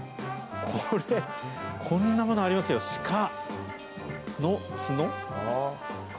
これ、こんなものありますよ、シカ。